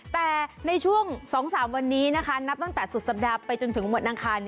แต่ในช่วง๒๓วันนี้นะคะนับตั้งแต่สุดสัปดาห์ไปจนถึงหมดอังคาร